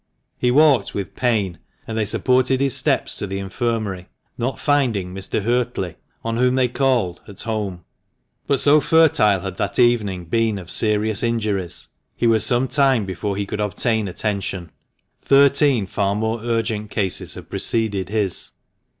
He walked with pain, and they supported his steps to the Infirmary, not finding Mr. Huertley, on whom they called, at home. But so fertile had that evening been of serious injuries, he was some time before he could obtain attention. Thirteen far more urgent cases had preceded his.